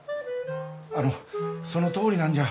あのそのとおりなんじゃ。